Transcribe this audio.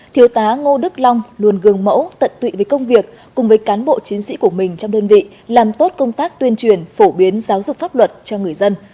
thiếu tá ngô đức long luôn gương mẫu tận tụy với công việc cùng với cán bộ chiến sĩ của mình trong đơn vị làm tốt công tác tuyên truyền phổ biến giáo dục pháp luật cho người dân